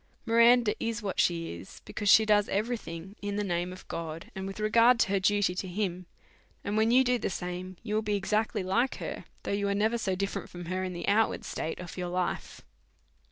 Miranda is what she is, because she does every thing in the name, and with regard to her duty to God ; and when you do the same, you will be exactly like her, though you are never so different from her in the outward state of your life.